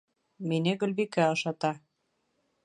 Мине Гөлбикә ашата.